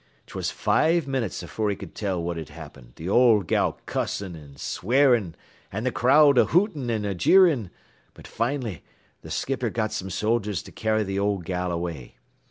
"'Twas five minits afore he could tell what had happened, th' old gal cussin' an' swearin' an' th' crowd a hootin' an' jeerin', but finally th' skipper got some soldiers to carry th' old gal away.